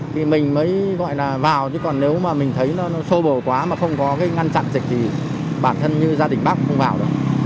thì mình mới gọi là vào chứ còn nếu mà mình thấy nó xô bồ quá mà không có cái ngăn chặn dịch thì bản thân như gia đình bác không vào nữa